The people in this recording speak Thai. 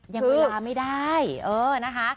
ยังเวลาไม่ได้เออนะคะ